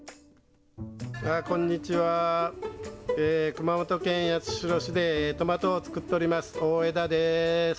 こんにちは、熊本県八代市でトマトを作っております、太江田です。